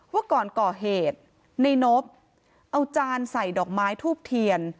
ว่าก่อนก่อเหตุในนบเอาจานใส่ดอกไม้ทูบเทียน